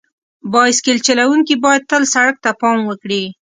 بایسکل چلونکي باید تل سړک ته پام وکړي.